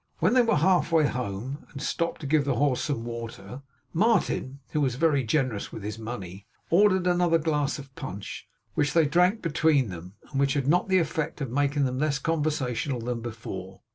When they were halfway home, and stopped to give the horse some water, Martin (who was very generous with his money) ordered another glass of punch, which they drank between them, and which had not the effect of making them less conversational than before.